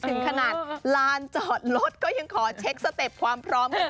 ถึงขนาดลานจอดรถก็ยังขอเช็คสเต็ปความพร้อมกัน